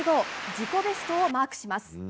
自己ベストをマークします。